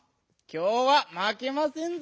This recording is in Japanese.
きょうはまけませんぞ。